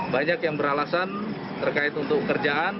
banyak yang beralasan terkait untuk kerjaan